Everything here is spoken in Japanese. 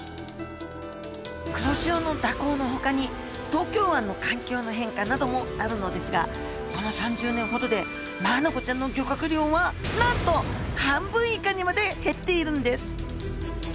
黒潮の蛇行のほかに東京湾の環境の変化などもあるのですがこの３０年ほどでマアナゴちゃんの漁獲量はなんと半分以下にまで減っているんです